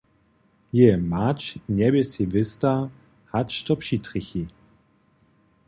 Jeje mać njebě sej wěsta, hač to přitrjechi.